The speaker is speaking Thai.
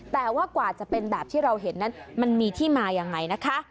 แต่ว่ากว่าจะเป็นแบบที่เราเห็นนั้นมันมีที่มายังไงนะคะ